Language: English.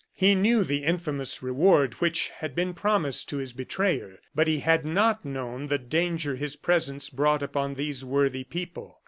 He knew the infamous reward which had been promised to his betrayer; but he had not known the danger his presence brought upon these worthy people.